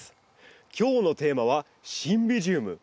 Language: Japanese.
今日のテーマはシンビジウム。